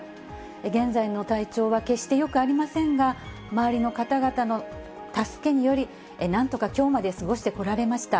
現在の体調は決してよくありませんが、周りの方々の助けにより、なんとかきょうまで過ごしてこられました。